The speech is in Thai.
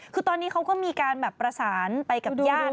คือตอนนี้เขาก็มีการแบบประสานไปกับญาติ